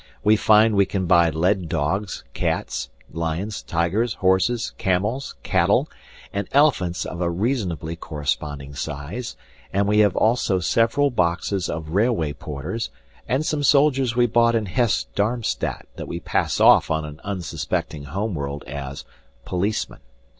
We find we can buy lead dogs, cats, lions, tigers, horses, camels, cattle, and elephants of a reasonably corresponding size, and we have also several boxes of railway porters, and some soldiers we bought in Hesse Darmstadt that we pass off on an unsuspecting home world as policemen.